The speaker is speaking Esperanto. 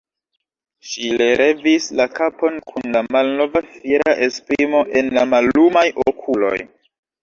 Ŝi relevis la kapon kun la malnova fiera esprimo en la mallumaj okuloj.